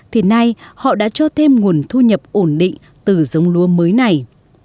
thì nay họ đã cho thêm nguồn thu nhập ổn định từ giống lúa mới này